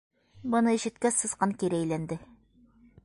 Быны ишеткәс, Сысҡан кире әйләнде.